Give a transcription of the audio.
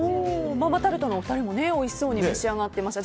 ママタルトのお二人もおいしそうに召し上がってました。